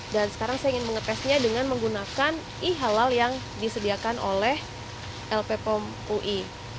dan sekarang saya ingin mengepesnya dengan menggunakan ehalal yang disediakan oleh lppom ui